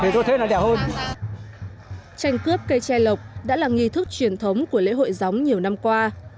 tranh cướp cây tre lộc đã là nghi thức truyền thống của lễ hội gióng nhiều năm qua